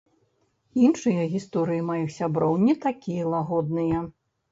Іншыя гісторыі маіх сяброў не такія лагодныя.